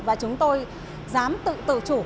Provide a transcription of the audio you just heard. và chúng tôi dám tự tự chủ